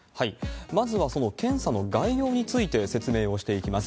まずはその検査の概要について説明をしていきます。